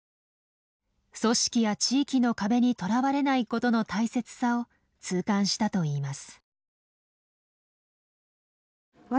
組織や地域の壁にとらわれないことの大切さを痛感したといいます。